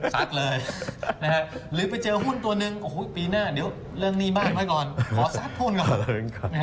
ซัดเลยหรือไปเจอหุ้นตัวหนึ่งปีหน้าเดี๋ยวเลิกหนี้บ้านไว้ก่อนขอซัดหุ้นก่อน